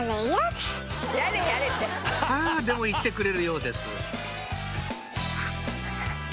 あでも行ってくれるようです